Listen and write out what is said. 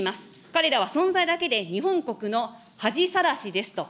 彼らは存在だけで日本国の恥さらしですと。